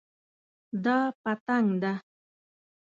دا پتنګ ده